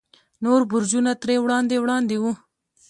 نور برجونه ترې وړاندې وړاندې وو.